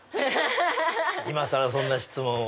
今更そんな質問を。